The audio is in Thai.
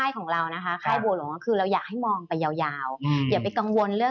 พี่หนิงครับส่วนตอนนี้เนี่ยนักลงทุนอยากจะลงทุนแล้วนะครับเพราะว่าระยะสั้นรู้สึกว่าทางสะดวกนะครับ